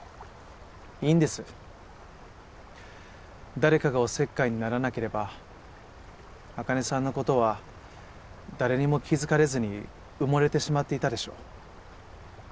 誰かがおせっかいにならなければ茜さんの事は誰にも気づかれずに埋もれてしまっていたでしょう。